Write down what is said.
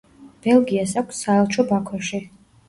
ბელგიას აქვს საელჩო ბაქოში.